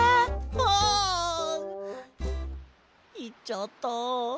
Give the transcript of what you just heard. あ！いっちゃった。